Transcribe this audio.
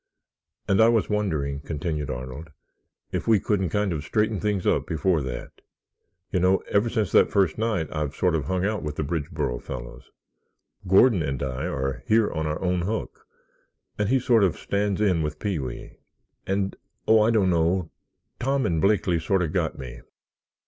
"And I was wondering," continued Arnold, "if we couldn't kind of straighten things up before that. You know, ever since that first night I've sort of hung out with the Bridgeboro fellows. Gordon and I are here on our own hook and he sort of stands in with Pee wee—and, oh, I don't know, Tom and Blakeley sort of got me.